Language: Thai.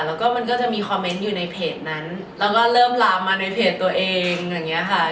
แล้วก็มันก็จะมีคอมเมนต์อยู่ในเพจนั้นแล้วก็เริ่มลามมาในเพจตัวเองอย่างเงี้ยค่ะ